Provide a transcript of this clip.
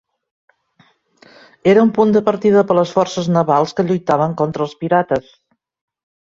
Era un punt de partida per les forces navals que lluitaven contra els pirates.